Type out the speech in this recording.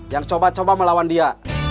yang coba coba melawan dia